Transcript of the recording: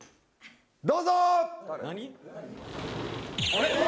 どうぞ！何？